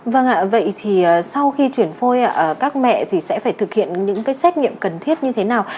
vâng ạ vậy thì sau khi chuyển phôi các mẹ thì sẽ phải thực hiện những cái xét nghiệm cần thiết như thế nào